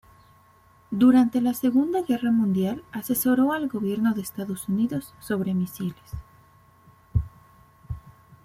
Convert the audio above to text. Durante la Segunda Guerra Mundial asesoró al gobierno de Estados Unidos sobre misiles.